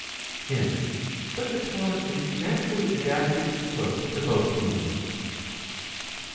Hence such a power is naturally adapted to look to both these. 48.